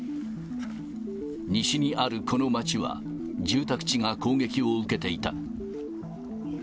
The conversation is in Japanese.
西にあるこの街は、住宅地が攻撃を受けていた。